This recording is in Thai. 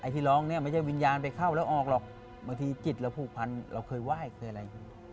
ที่ร้องเนี่ยไม่ใช่วิญญาณไปเข้าแล้วออกหรอกบางทีจิตเราผูกพันเราเคยไหว้เคยอะไรอย่างนี้